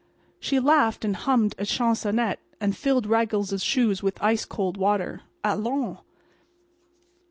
She laughed and hummed a chansonette and filled Raggles's shoes with ice cold water. Allons!